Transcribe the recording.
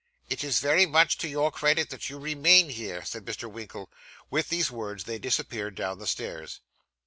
'It is very much to your credit that you remain here,' said Mr. Winkle. With these words they disappeared down the stairs.